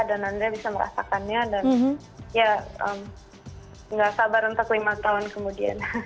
dan andrea bisa merasakannya dan ya nggak sabar untuk lima tahun kemudian